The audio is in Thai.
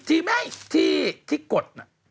ที่ไหมที่กด